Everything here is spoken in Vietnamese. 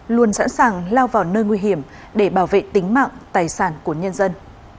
luôn sẵn sàng lao vào nơi nguy hiểm để bảo vệ tính mạng tài sản của nhân dân